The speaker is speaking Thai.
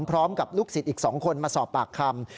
พร้อมกับลูกศิษย์อีก๒คนมาสอบปากคำ